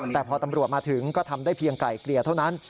แต่พอตำรวจมาถึงก็ทำได้เพียงไกลเกลี่ยเท่านั้น